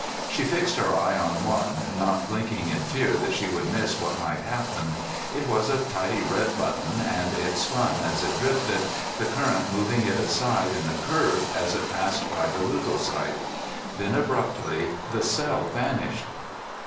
She fixed her eye on one, not blinking in fear that she would miss what might happen. It was a tidy red button, and it spun as it drifted, the current moving it aside in a curve as it passed by the leucocyte. Then, abruptly, the cell vanished.